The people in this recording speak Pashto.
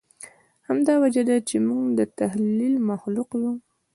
همدا وجه ده، چې موږ د تخیل مخلوق یو.